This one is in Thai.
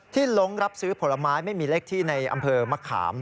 ที่หลงรับซื้อผลไม้ไม่มีเลขที่ในอำเพิร์ธรรมค์มะขาม